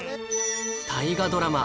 大河ドラマ